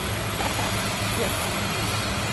Brown nació en la ciudad de Toledo, en el estado de Ohio.